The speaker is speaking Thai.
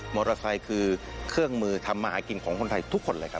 มอเตอร์ไซค์คือเครื่องมือทำมาหากินของคนไทยทุกคนเลยครับ